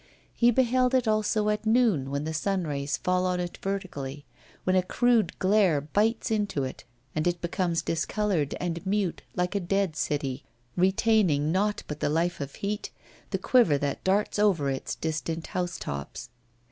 He beheld it also at noon, when the sunrays fall on it vertically, when a crude glare bites into it, and it becomes discoloured and mute like a dead city, retaining nought but the life of heat, the quiver that darts over its distant housetops.